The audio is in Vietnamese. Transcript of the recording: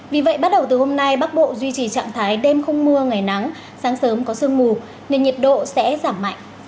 vì vậy bắt đầu từ hôm nay bắc bộ duy trì trạng thái đêm không mưa ngày nắng sáng sớm có sương mù nên nhiệt độ sẽ giảm mạnh